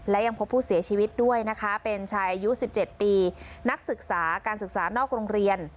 และยังพบผู้เสียชีวิตด้วยนะคะเป็นชายอายุ๑๗ปีนักศึกษาการศึกษานอกโรงเรียน